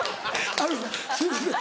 あのすいません